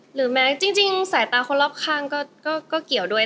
หรือแม้จริงสายตาคนรอบข้างก็เกี่ยวด้วย